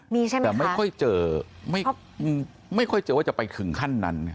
แต่ไม่ค่อยเจอว่าจะไปถึงขั้นนั้น